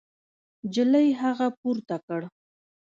نجلۍ هغه پورته کړ.